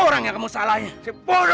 mas kau masih apa